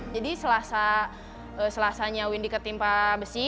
jadi selasa selasanya windy ketimpa besi